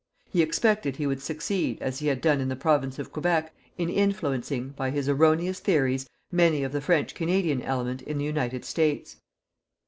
He expected he would succeed, as he had done in the Province of Quebec, in influencing, by his erroneous theories, many of the French Canadian element in the United States.